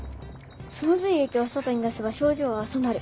その髄液を外に出せば症状は収まる。